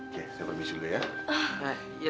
kita harus berhati hati ya